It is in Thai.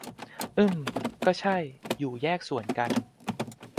อืม ก็ใช่ อยู่แยกส่วนกัน